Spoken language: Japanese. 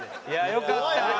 よかった！